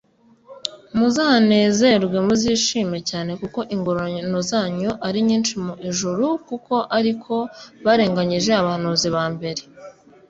muzanezerwe, muzishime cyane kuko ingororano zanyu ari nyinshi mu ijuru, kuko ari ko barenganyije abahanuzi ba mbere”